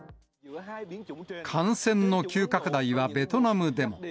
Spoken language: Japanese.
感染の急拡大はベトナムでも。